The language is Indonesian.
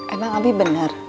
emang abi bener